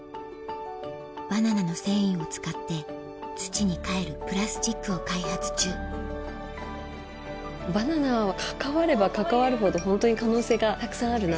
バナナの繊維を使って土に返るプラスチックを開発中バナナは関われば関わるほどホントに可能性がたくさんあるなと。